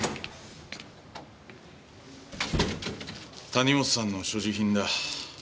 谷本さんの所持品だ。